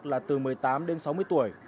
là từ một mươi tám đến sáu mươi tuổi